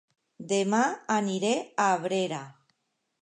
Dema aniré a Abrera